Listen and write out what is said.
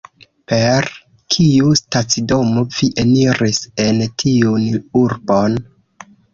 Per kiu stacidomo vi eniris en tiun urbon?